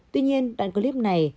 tuy nhiên đoạn clip này